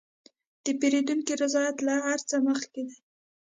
د پیرودونکي رضایت له هر څه مخکې دی.